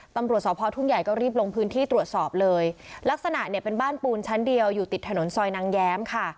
ตำรวจสพทุ่งใหญ่ก็รีบลงพื้นที่ตรวจสอบเลยลักษณะเนี่ยเป็นบ้านปูนชั้นเดียวอยู่ติดถนนซอยนางแย้มค่ะ